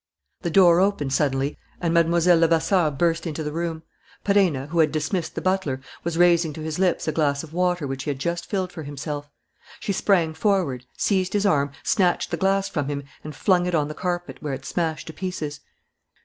The door opened suddenly and Mlle. Levasseur burst into the room. Perenna, who had dismissed the butler, was raising to his lips a glass of water which he had just filled for himself. She sprang forward, seized his arm, snatched the glass from him and flung it on the carpet, where it smashed to pieces.